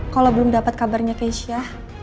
kalau belum dapat kabarnya keisha